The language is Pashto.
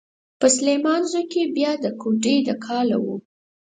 په سليمانزو کې بيا د کوډۍ د کاله و.